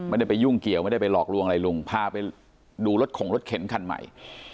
ไม่ได้ไปยุ่งเกี่ยวไม่ได้ไปหลอกลวงอะไรลุงพาไปดูรถของรถเข็นคันใหม่